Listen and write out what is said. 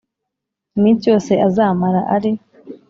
Iminsi yose azamara ari